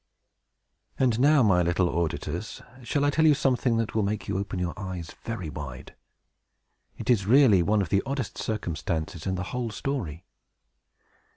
And now, my little auditors, shall I tell you something that will make you open your eyes very wide? It is really one of the oddest circumstances in the whole story.